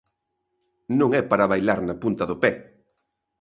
Non é para bailar na punta do pé.